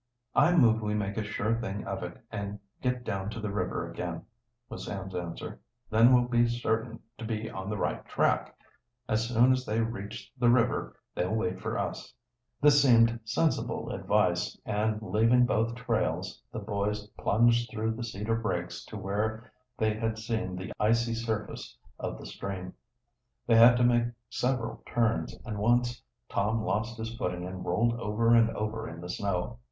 "I move we make a sure thing of it and get down to the river again," was Sam's answer. "Then we'll be certain to be on the right track. As soon as they reach the river they'll wait for us." This seemed sensible advice, and leaving both trails the boys plunged through the cedar brakes to where they had seen the icy surface of the stream. They had to make several turns, and once Tom lost his footing and rolled over and over in the snow.